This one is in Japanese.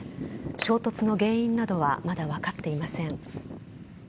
衝突の原因などはまだ分かっていません。